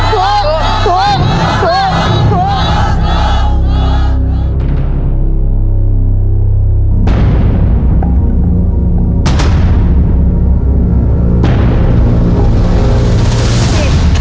ถูก